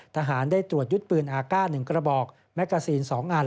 ทหารได้ตรวจยึดปืนอากาศ๑กระบอกแมกกาซีน๒อัน